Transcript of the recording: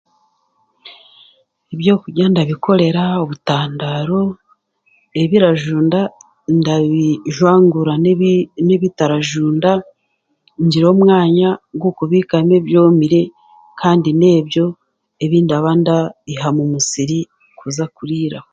Ebyokurya ndabikorera obutandaaro, ebirajunda ndabijwanguura n'ebitarajunda ngire omwanya gw'okubiikamu ebyomire kandi n'ebyo ebi ndaba ndaiha mumusiri kuza kuriiraho.